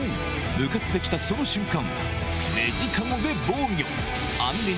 向かって来たその瞬間